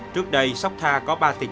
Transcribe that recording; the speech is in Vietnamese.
trước đây sotha có bất kỳ đối tượng